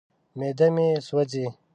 معده مې سوځي.